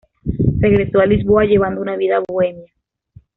Regresó a Lisboa, llevando una vida bohemia.